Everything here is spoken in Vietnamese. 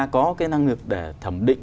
có cái năng lực để thẩm định